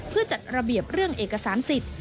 เพื่อจัดระเบียบเรื่องเอกสารสิทธิ์